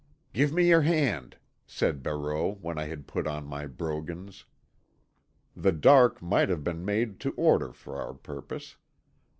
"Give me your hand," said Barreau, when I had put on my brogans. The dark might have been made to order for our purpose.